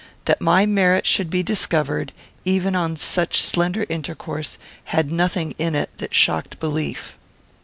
That my merit should be discovered, even on such slender intercourse, had surely nothing in it that shocked belief.